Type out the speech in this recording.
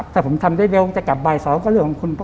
ถ้าผมทำได้เร็วคุณจะกลับบ่าย๒คุณคุณ